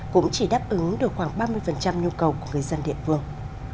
cũng chỉ đáp ứng được khoảng ba mươi nhu cầu của người dân địa phương